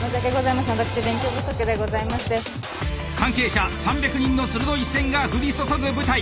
関係者３００人の鋭い視線が降り注ぐ舞台。